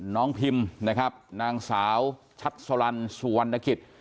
น้องพิมนะครับนางสาวชัตร์สลัลสุวรรณกิจ